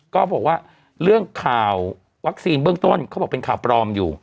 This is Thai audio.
ก็บอกว่าเรื่องข่าววัคซีนเบื้องต้นเขาบอกเป็นข่าวปลอมอยู่